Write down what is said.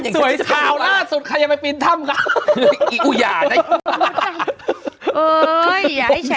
เช็บทาวน่าสุดใครจะไปปริ้นท่ำคะไอ้อุหยาน้ายมโอ๊ยอย่าให้แฉ